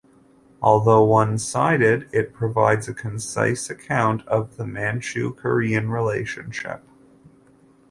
Although one-sided, it provides a concise account of the Manchu-Korean relationship.